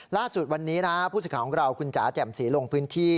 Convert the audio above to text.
ล่าสุดวันนี้นะผู้สิทธิ์ของเราคุณจ๋าแจ่มสีลงพื้นที่